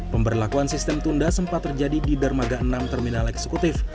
pemberlakuan sistem tunda sempat terjadi di dermaga enam terminal eksekutif